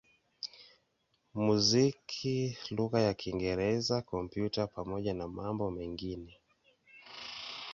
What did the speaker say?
muziki lugha ya Kiingereza, Kompyuta pamoja na mambo mengine.